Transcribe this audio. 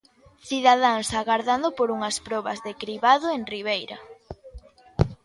Cidadáns agardando por unhas probas de cribado en Ribeira.